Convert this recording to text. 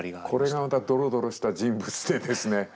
これがまたドロドロした人物でですね。